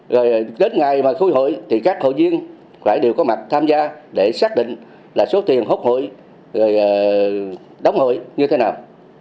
rồi đến ngày mà khui hội thì các hội viên phải đều có mặt tham gia để xác định là số tiền hốt hội đóng hội như thế nào